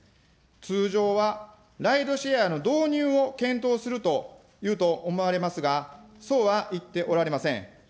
通常は、ライドシェアの導入を検討するというと思われますが、そうは言っておられません。